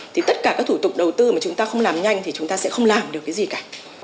thì tất cả các thủ tục đầu tư mà chúng ta không làm nhanh thì chúng ta sẽ không làm được cái gì cả